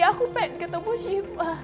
aku pengen ketemu syifa